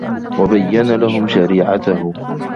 وَبَيَّنَ لَهُمْ شَرِيعَتَهُ